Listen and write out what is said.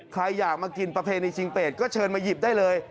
ใครอยากมากินประเพณีชิงเปดก็เชิญมาหยิบได้เลย